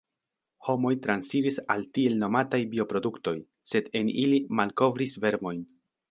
Homoj transiris al tiel nomataj bioproduktoj – sed en ili malkovris vermojn.